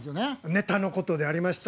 ネタのことでありました。